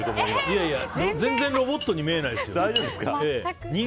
いやいや全然ロボットに見えないですよ。